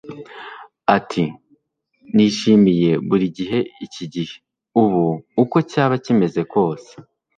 ati: nishimiye buri gihe iki gihe, ubu, uko cyaba kimeze kose